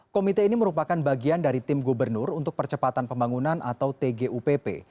komite ini merupakan bagian dari tim gubernur untuk percepatan pembangunan atau tgupp